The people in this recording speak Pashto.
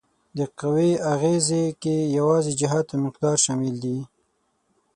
د قوې اغیزې کې یوازې جهت او مقدار شامل دي؟